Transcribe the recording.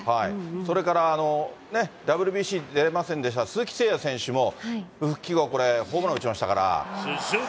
それから、ＷＢＣに出れませんでした、鈴木誠也選手も復帰後、ホームラン打ちましたから。